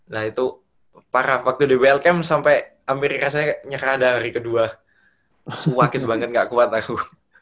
nah itu parah waktu dbl camp sampai hampir rasanya nyekar ada hari kedua semua gitu banget gak kuat aku